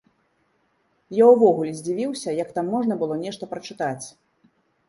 Я ўвогуле здзівіўся, як там можна было нешта прачытаць!